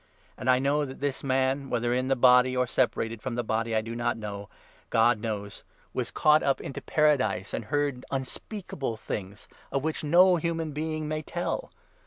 And I know that this man — whether in 3 the body or separated from the body I do not know ; God knows — was caught up into Paradise, and heard unspeakable 4 things of which no human being may tell.